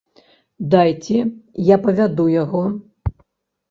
Дайце я павяду яго.